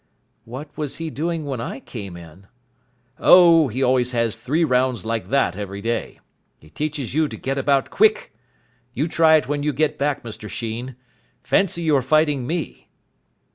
"What was he doing when I came in?" "Oh, he always has three rounds like that every day. It teaches you to get about quick. You try it when you get back, Mr Sheen. Fancy you're fighting me."